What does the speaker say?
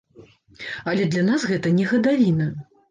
Але для нас гэта не гадавіна.